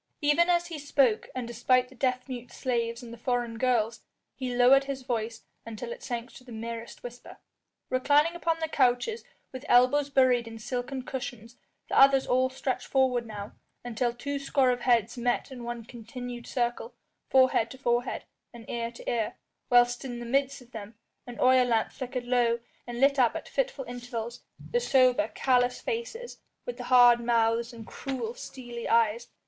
Even as he spoke, and despite the deaf mute slaves and the foreign girls, he lowered his voice until it sank to the merest whisper. Reclining upon the couches with elbows buried in silken cushions the others all stretched forward now, until two score of heads met in one continued circle, forehead to forehead and ear to ear, whilst in the midst of them an oil lamp flickered low and lit up at fitful intervals the sober, callous faces with the hard mouths and cruel, steely eyes.